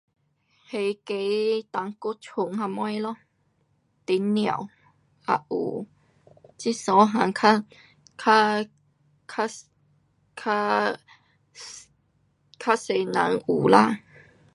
那个胆骨醇什么咯，甜尿，还有这三样较，较，较多人有啦。